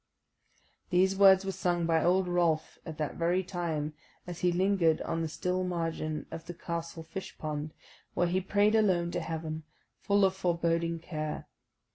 These words were sung by old Rolf at that very time, as he lingered on the still margin of the castle fish pond, where he prayed alone to Heaven, full of foreboding care.